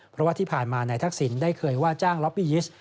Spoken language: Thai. เพราะว่าที่ผ่านมานายทักษิณได้เคยว่าจ้างล็อบปี้ยิสต์